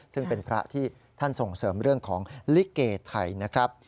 ซึ่งเป็นพระที่ท่านส่งเสริมเรื่องของลิเกไทยนะครับ